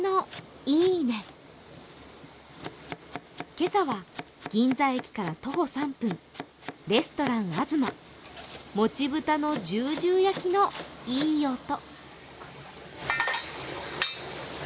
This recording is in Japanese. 今朝は銀座駅から徒歩３分レストランあづま、もち豚のじゅうじゅう焼きのいい音。